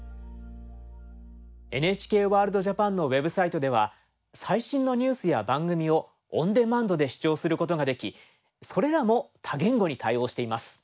「ＮＨＫワールドＪＡＰＡＮ」のウェブサイトでは最新のニュースや番組をオンデマンドで視聴することができそれらも多言語に対応しています。